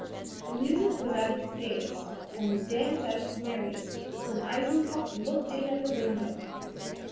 The music was at its gayest, and the dance at its merriest, when Eisenkopf looked in at the window.